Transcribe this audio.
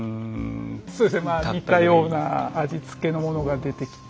そうですね似たような味付けのものが出てきて。